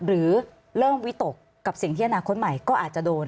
หรือเริ่มวิตกกับสิ่งที่อนาคตใหม่ก็อาจจะโดน